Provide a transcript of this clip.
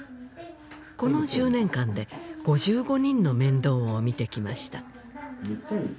この１０年間で５５人の面倒を見てきました